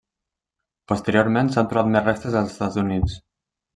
Posteriorment s'han trobat més restes als Estats Units.